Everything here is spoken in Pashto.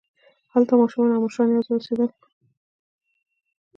هلته ماشومان او مشران یوځای اوسېدل.